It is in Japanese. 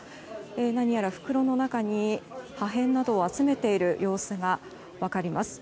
何やら袋の中に破片などを集めている様子が分かります。